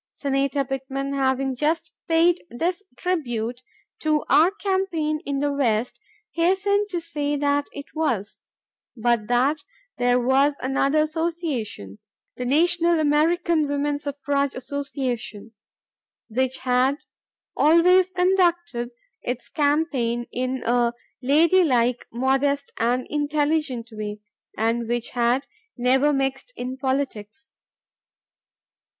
Senator Pittman, having just paid this tribute to our campaign in the West, hastened to say that it was, but that there was another association, the National American Woman Suffrage Association, which had always conducted its campaign in a "lady like—modest—and intelligent way" and which had "never mixed in politics."